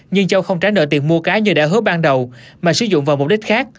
nhưng châu không trả nợ tiền mua cá như đã hứa ban đầu mà sử dụng vào mục đích khác